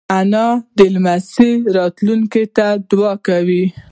انا د لمسیو راتلونکې ته دعا کوي